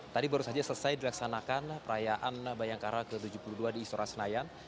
tadi baru saja selesai dilaksanakan perayaan bayangkara ke tujuh puluh dua di istora senayan